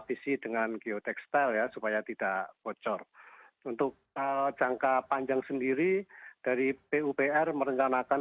visi dengan geotekstil ya supaya tidak bocor untuk jangka panjang sendiri dari pupr merencanakan